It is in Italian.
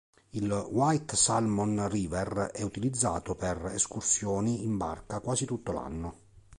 Il White Salmon River è utilizzato per escursioni in barca quasi tutto l'anno.